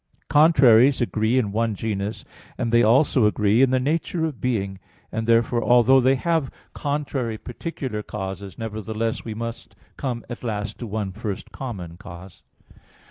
1: Contraries agree in one genus, and they also agree in the nature of being; and therefore, although they have contrary particular causes, nevertheless we must come at last to one first common cause.